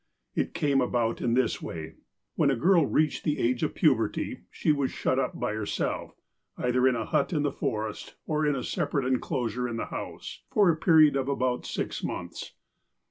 It came about in this way : When a girl reached the age of puberty, she was shut up by herself, either in a hut in the forest, or in a separate enclosure in the house, for a period of about six months.